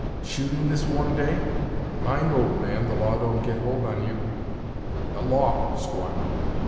shooting this warm day! Mind, old man, the law don't get hold on you." "The law, squire!